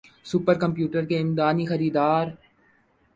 super computer کے امکانی خریدار